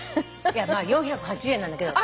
いやまあ４８０円なんだけど。